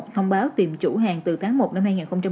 thông báo tìm chủ hàng từ tháng một năm hai nghìn một mươi chín